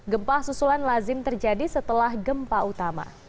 gempa susulan lazim terjadi setelah gempa utama